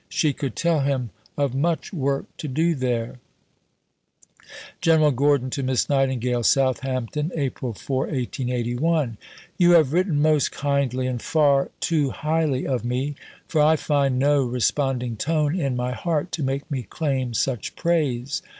She could tell him of much work to do there: (General Gordon to Miss Nightingale.) SOUTHAMPTON, April 4 . You have written most kindly and far too highly of me, for I find no responding tone in my heart to make me claim such praise.